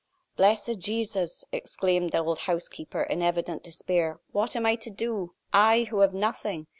"Blessed Jesus!" exclaimed the old housekeeper, in evident despair. "What am I to do? I, who have nothing!